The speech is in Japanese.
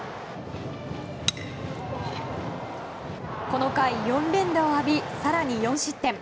この回４連打を浴び更に４失点。